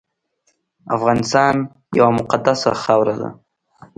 افغانستان یوه مقدسه خاوره ده